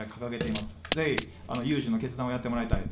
ぜひ有事の決断をやってもらいたい。